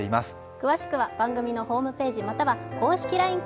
詳しくは番組のホームページ、または公式ＬＩＮＥ